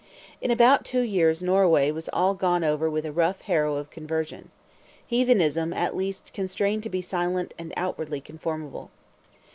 In about two years Norway was all gone over with a rough harrow of conversion. Heathenism at least constrained to be silent and outwardly conformable.